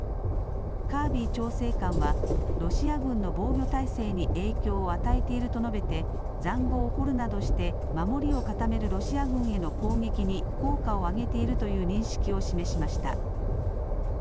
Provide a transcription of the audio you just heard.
カービー調整官はロシア軍の防御態勢に影響を与えていると述べて、ざんごうを掘るなどして守りを固めるロシア軍への攻撃に効果を上げているという認識を示しました。